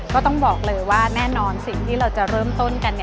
ก็ต้องบอกเลยว่าแน่นอนสิ่งที่เราจะเริ่มต้นกัน